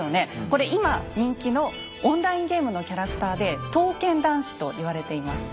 これ今人気のオンラインゲームのキャラクターで「刀剣男士」と言われています。